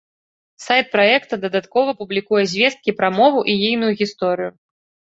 Сайт праекта дадаткова публікуе звесткі пра мову і ейную гісторыю.